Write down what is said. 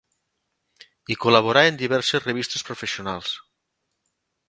I col·laborà en diverses revistes professionals.